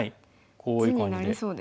こういう感じで。